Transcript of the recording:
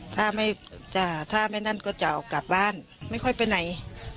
ถ้าไม่นั่นก็จะเอากลับบ้านไม่ค่อยไปไหน